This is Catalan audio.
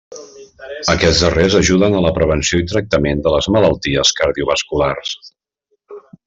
Aquests darrers ajuden a la prevenció i tractament de les malalties cardiovasculars.